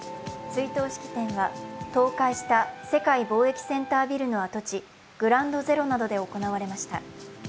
追悼式典は倒壊した世界貿易センタービルの跡地、グランドゼロなどで行われました。